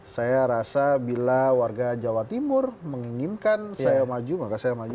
saya rasa bila warga jawa timur menginginkan saya maju maka saya maju